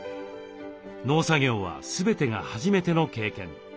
農作業は全てが初めての経験。